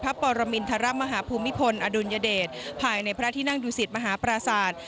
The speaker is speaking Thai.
ปรมินทรมาฮภูมิพลอดุลยเดชภายในพระที่นั่งดูสิตมหาปราศาสตร์